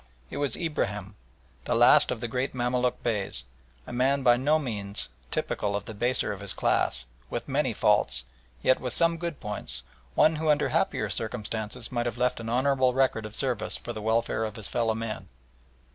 It was Ibrahim, the last of the great Mamaluk Beys, a man by no means typical of the baser of his class, with many faults, yet with some good points, one who under happier circumstances might have left an honourable record of service for the welfare of his fellow men.